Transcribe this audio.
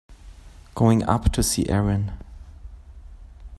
Going up to see Erin.